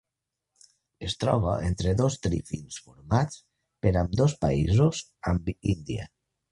Es troba entre dos trifinis formats per ambdós països amb Índia.